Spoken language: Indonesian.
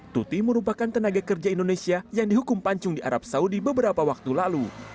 tuti merupakan tenaga kerja indonesia yang dihukum pancung di arab saudi beberapa waktu lalu